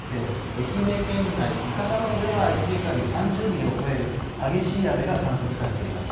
愛媛県内、伊方などでは１時間に３０ミリを超える激しい雨が観測されています。